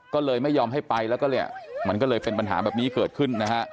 ก็เลยไม่ยอมให้ไปแล้วก็เนี่ยมันก็เลยเป็นปัญหาแบบนี้เกิดขึ้นนะฮะ